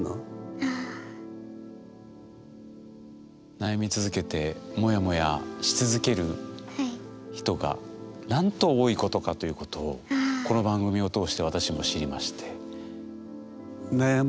悩み続けてモヤモヤし続ける人がなんと多いことかということをこの番組を通して私も知りまして。